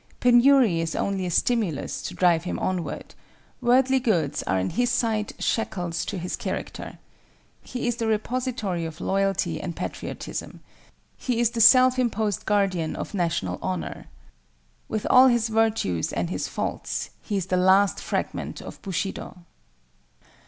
Penury is only a stimulus to drive him onward; worldly goods are in his sight shackles to his character. He is the repository of Loyalty and Patriotism. He is the self imposed guardian of national honor. With all his virtues and his faults, he is the last fragment of Bushido.